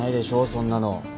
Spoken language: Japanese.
そんなの。